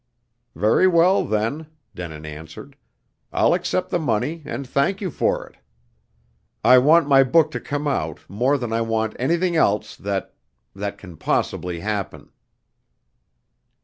"Very well then," Denin answered. "I'll accept the money and thank you for it. I want my book to come out, more than I want anything else that that can possibly happen."